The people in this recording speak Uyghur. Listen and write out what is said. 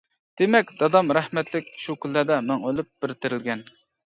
دېمەك، دادام رەھمەتلىك شۇ كۈنلەردە مىڭ ئۆلۈپ، بىر تىرىلگەن.